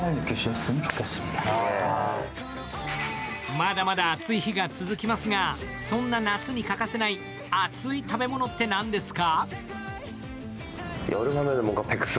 まだまだ暑い日が続きますがそんな夏に欠かせない熱い食べものって何ですか？